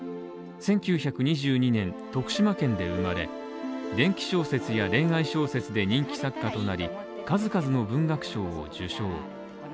１９２２年徳島県で生まれ、伝記小説や恋愛小説で人気作家となり、数々の文学賞を受賞。